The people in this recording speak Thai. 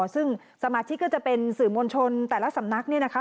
ซึ่งสมาชิกก็จะเป็นสื่อมวลชนแต่ละสำนักเนี่ยนะคะ